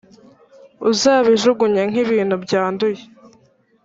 Uzabijugunya nk’ibintu byanduye,